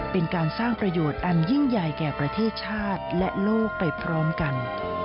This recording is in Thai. เป็นการสร้างประโยชน์อันยิ่งใหญ่แก่ประเทศชาติและโลกไปพร้อมกัน